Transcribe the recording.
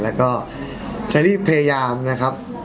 แล้วก็จะรีบพยายามนะครับ